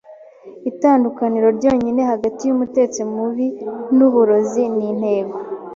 Itandukaniro ryonyine hagati yumutetsi mubi nuburozi nintego.